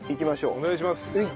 お願いします。